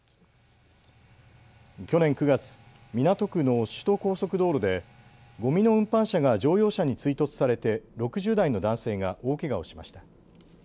去年９月、港区の首都高速道路でごみの運搬車が乗用車に追突されて６０代の男性が大けがをしました。